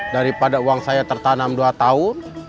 daripada uang saya tertanam dua tahun